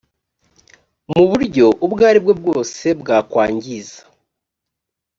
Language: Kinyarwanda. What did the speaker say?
mu buryo ubwo aribwo bwose bwakwangiza